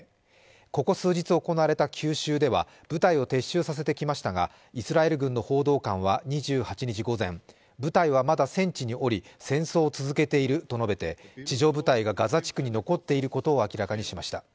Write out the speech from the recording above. ここ数日行われた急襲では部隊を撤収させてきましたがイスラエル軍の報道官は２８日午前部隊はまだ戦地におり戦争を続けていると述べて、地上部隊がガザ地区に残っていることを明らかにしました。